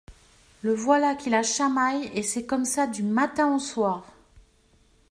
Le voilà qui la chamaille et c’est comme ça du matin au soir.